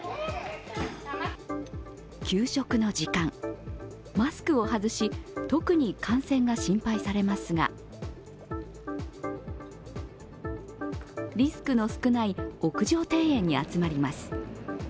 給食の時間、マスクを外し、特に感染が心配されますがリスクの少ない屋上庭園に集まります。